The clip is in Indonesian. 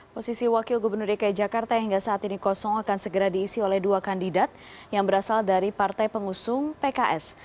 posisi wakil gubernur dki jakarta yang hingga saat ini kosong akan segera diisi oleh dua kandidat yang berasal dari partai pengusung pks